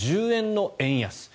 １０円の円安。